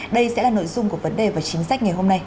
đây sẽ là nội dung của vấn đề và chính sách ngày hôm nay